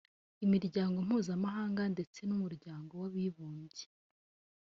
imiryango mpuzamahanga ndetse n’umuryango w’Abibumbye